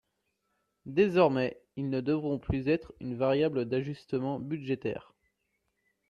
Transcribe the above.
Désormais, ils ne devront plus être une variable d’ajustement budgétaire.